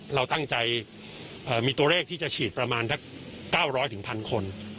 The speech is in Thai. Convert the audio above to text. เราตั้งใจเอ่อมีตัวเลขที่จะฉีดประมาณทั้งเก้าร้อยถึงพันคน